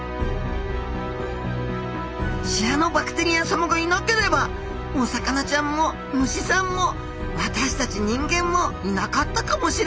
シアノバクテリアさまがいなければお魚ちゃんも虫さんも私たち人間もいなかったかもしれないんです。